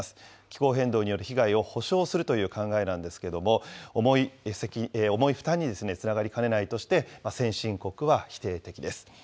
気候変動による被害を補償するという考えなんですけれども、重い負担につながりかねないとして、先進国は否定的です。